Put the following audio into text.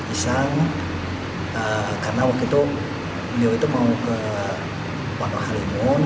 isang karena waktu itu beliau itu mau ke puan wah halimun